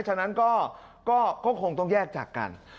ฉะนั้นก็คงต้องแยกจากกัน